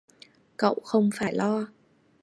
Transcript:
Cậu không phải lo